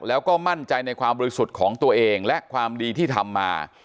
แล้วก็มั่นใจในความบริสุทธิ์ของตัวเองและความดีที่ทำมา